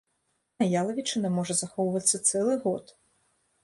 А ялавічына можа захоўвацца цэлы год!